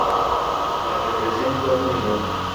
La represión fue muy dura.